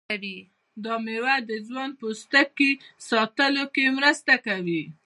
دا میوه د ځوان پوستکي ساتلو کې مرسته کوي.